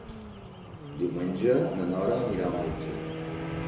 Diumenge na Nora anirà al metge.